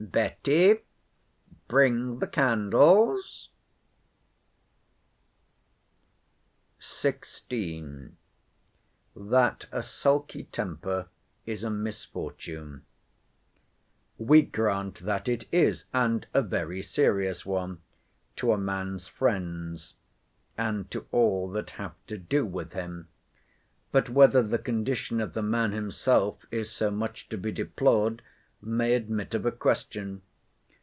—Betty, bring the candles. XVI.—THAT A SULKY TEMPER IS A MISFORTUNE We grant that it is, and a very serious one—to a man's friends, and to all that have to do with him; but whether the condition of the man himself is so much to be deplored, may admit of a question.